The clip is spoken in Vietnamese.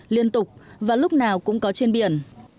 liên tục và lúc nào cũng có trên biển